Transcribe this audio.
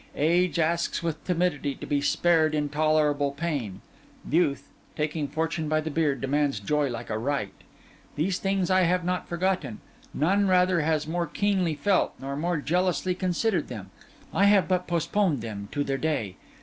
Age asks with timidity to be spared intolerable pain; youth, taking fortune by the beard, demands joy like a right. These things I have not forgotten; none, rather, has more keenly felt, none more jealously considered them; I have but postponed them to their day.